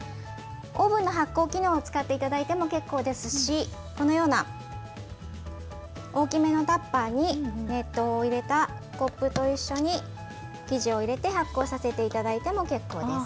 オーブンの発酵機能を使っていただいても結構ですしこのような大きめのタッパーに熱湯を入れたコップと一緒に生地を入れて発酵させていただいても結構です。